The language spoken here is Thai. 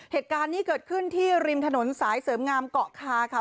เหตุการณ์นี้เกิดขึ้นที่ริมถนนสายเสริมงามเกาะคาค่ะ